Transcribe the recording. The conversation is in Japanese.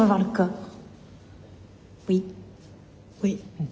うん。